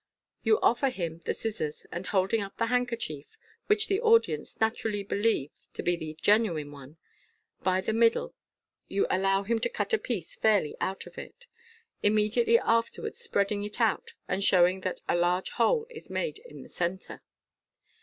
You offer him the scissors, and holding up the handkerchief (which the audience natur ally believe to be the genuine one) by the middle, you allow him to cut a piece fairly out of it, immediately afterwards spreading it out, and showing that a large hole is made in the centre.